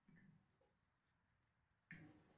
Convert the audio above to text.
Sizning ko'zingiz nega ko'k, ona?